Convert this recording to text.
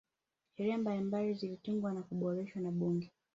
sheria mbalimbali zilitungwa na kuboreshwa na bunge